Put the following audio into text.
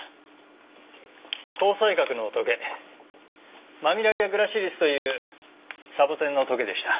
紅彩閣のトゲマミラリアグラシリスというサボテンのトゲでした。